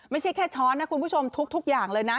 ไม่ใช่แค่ช้อนนะคุณผู้ชมทุกอย่างเลยนะ